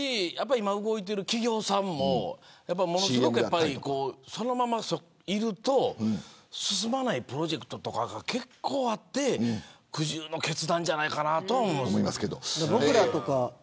今、動いている企業さんもそのままいると進まないプロジェクトとかが結構あって苦渋の決断じゃないかなと思いますけど。